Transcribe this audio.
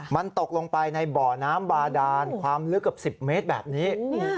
มันตกลงไปในบ่อน้ำบาดานความลึกเกือบ๑๐เมตรแบบนี้